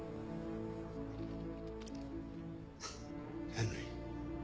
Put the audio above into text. ヘンリー。